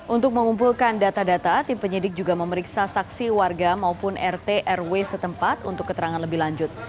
untuk mengumpulkan data data tim penyidik juga memeriksa saksi warga maupun rt rw setempat untuk keterangan lebih lanjut